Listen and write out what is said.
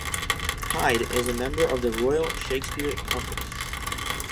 Hyde is a member of the Royal Shakespeare Company.